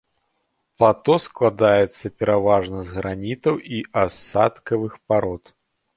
Плато складаецца пераважна з гранітаў і асадкавых парод.